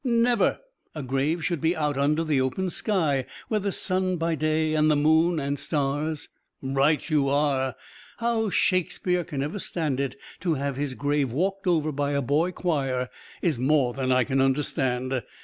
"Never! A grave should be out under the open sky, where the sun by day and the moon and stars " "Right you are. How Shakespeare can ever stand it to have his grave walked over by a boy choir is more than I can understand.